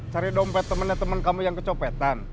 cari dompet temennya temen kamu yang kecepetan